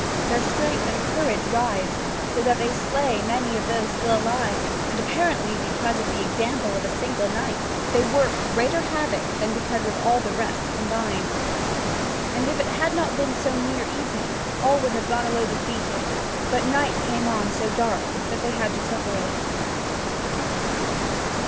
Their strength and courage rise, so that they slay many of those still alive, and apparently because of the example of a single knight they work greater havoc than because of all the rest combined. And if it had not been so near evening, all would have gone away defeated; but night came on so dark that they had to separate.